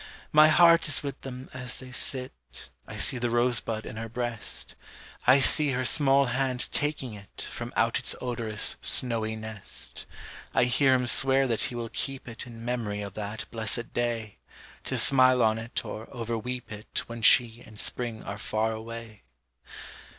My heart is with them as they sit, I see the rosebud in her breast, I see her small hand taking it From out its odorous, snowy nest; I hear him swear that he will keep it, In memory of that blessed day, To smile on it or over weep it When she and spring are far away.